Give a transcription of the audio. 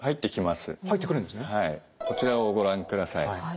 こちらをご覧ください。